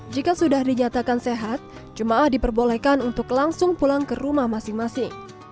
jika sudah dinyatakan sehat jemaah diperbolehkan untuk langsung pulang ke rumah masing masing